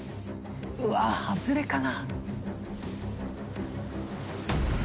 うわ外れかな？